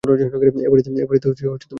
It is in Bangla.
এ বাড়িতে তুমি এসো না।